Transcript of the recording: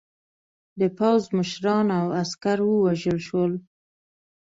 د پوځ مشران او عسکر ووژل شول.